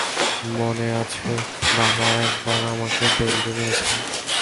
মনে আছে বাবা একবার আমাকে বেল্ট দিয়ে মেরেছিলো?